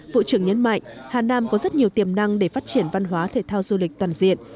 bộ trưởng nhấn mạnh hà nam có rất nhiều tiềm năng để phát triển văn hóa thể thao du lịch toàn diện